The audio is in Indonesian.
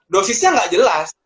dosisnya nggak jelas